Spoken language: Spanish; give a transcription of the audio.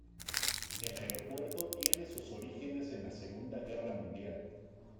El aeropuerto tiene sus orígenes en la Segunda Guerra Mundial.